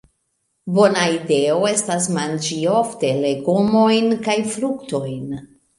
Bona ideo estas manĝi ofte legomojn kaj fruktojn.